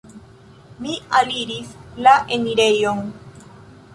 Mi aliris la enirejon.